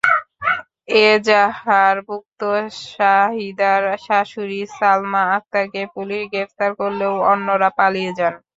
এজাহারভুক্ত শাহিদার শাশুড়ি সালমা আক্তারকে পুলিশ গ্রেপ্তার করলেও অন্যরা পালিয়ে যান।